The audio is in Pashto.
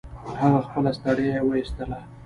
هغه خپله ستړيا يې و ايستله.